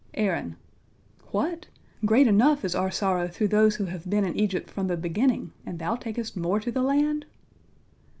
Aaron: "What! Great enough is our sorrow through those who have been in Egypt from the beginning, and thou takest more to the land?"